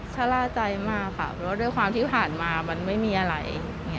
ชะล่าใจมากค่ะเพราะว่าด้วยความที่ผ่านมามันไม่มีอะไร